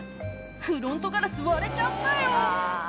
フロントガラス割れちゃったよ